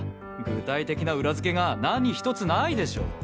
具体的な裏付けが何ひとつないでしょ？